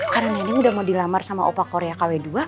karena nenek udah mau dilamar sama opa korea kw dua